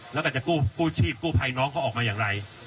แล้วก็จะกู้ชีพกู้ภัยน้องเขาออกมาอย่างไร